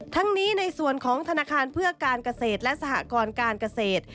ทั้งนี้ในส่วนของธนาคารเพื่อการเกษตรและสหกรการเกษตร